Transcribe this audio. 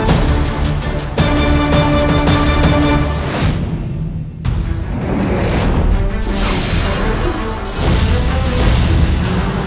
aku akan mencari dia